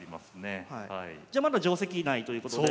じゃまだ定跡内ということで。